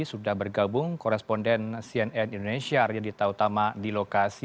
sudah bergabung koresponden cnn indonesia arjadita utama di lokasi